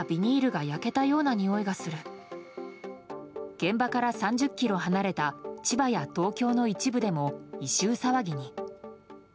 現場から３０ｋｍ離れた千葉や東京の一部でも異臭騒ぎに。